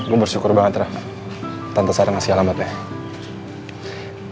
gue bersyukur banget rah tante sarah ngasih alamatnya